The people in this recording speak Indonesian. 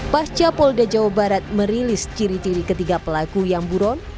pasca polda jawa barat merilis ciri ciri ketiga pelaku yang buron